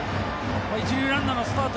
一塁ランナーのスタート